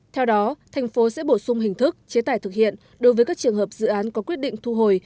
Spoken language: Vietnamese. theo đó thành phố sẽ bổ sung hình thức chế tải thực hiện đối với các trường hợp dự án có quyết định thu hồi